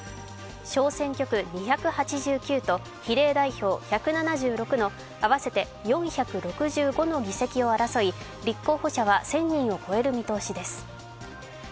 小選挙区で２８９と比例代表１７６の合わせて４６５の議席を争い立候補者は１０００人を超える見通しです。